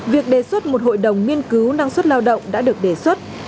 việc đề xuất một hội đồng nghiên cứu năng suất lao động đã được đề xuất